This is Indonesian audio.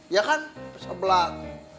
ya kan sebelak